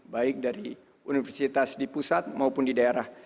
baik dari universitas di pusat maupun di daerah